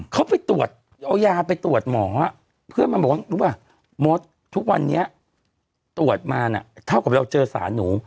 เขาไปตรวจเอายาไปตรวจหมอเพื่อนมาบอกว่ารู้ป่ะมดทุกวันนี้ตรวจมาเท่ากับเราเจอสารหนู